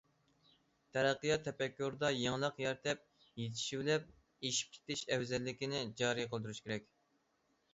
تەرەققىيات تەپەككۇرىدا يېڭىلىق يارىتىپ، يېتىشىۋېلىپ ئېشىپ كېتىش ئەۋزەللىكىنى جارى قىلدۇرۇش كېرەك.